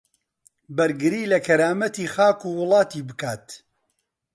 بەرگری لە کەرامەتی خاک و وڵاتی بکات